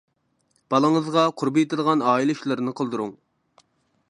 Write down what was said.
بالىڭىزغا قۇربى يېتىدىغان ئائىلە ئىشلىرىنى قىلدۇرۇڭ.